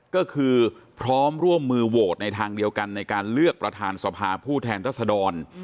ก็คือพร้อมร่วมมือโหวตในทางเดียวกันในการเลือกประธานสภาผู้แทนรัศดร